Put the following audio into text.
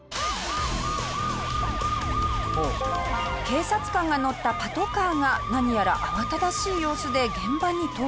警察官が乗ったパトカーが何やら慌ただしい様子で現場に到着。